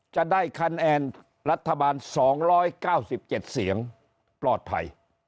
จะได้คะแนนรัฐบาล๒๙๗เสียงปลอดภัย